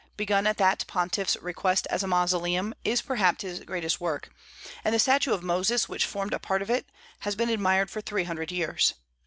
begun at that pontiff's request as a mausoleum, is perhaps his greatest work; and the statue of Moses, which formed a part of it, has been admired for three hundred years.